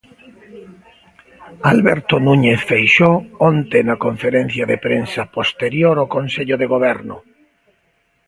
Alberto Núñez Feixóo onte na conferencia de prensa posterior o Consello de Goberno.